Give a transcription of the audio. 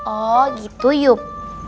oh gitu yup